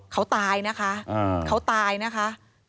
เขาตายนะคะ